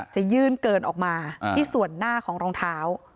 จะยื่นเกินออกมาที่ส่วนหน้าของรองเท้า